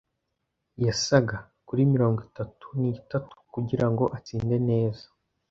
yasaga, kuri mirongo itatu n'itanu kugirango atsinde neza